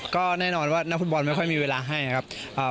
ก็แน่นอนว่านักฟุตบอลไม่ค่อยมีเวลาให้ครับ